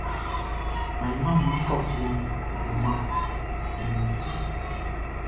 Ayinʼman nʼma kɔ fie nu juman ni mi si.